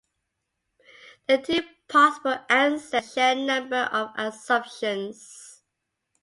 The two possible answers share a number of assumptions.